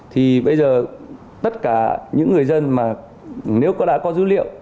thì bây giờ tất cả những người dân mà nếu đã có dữ liệu